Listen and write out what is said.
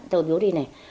tôi bíu đi này